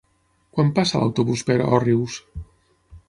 Quan passa l'autobús per Òrrius?